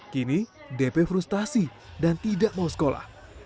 kini dp frustasi dan tidak mau sekolah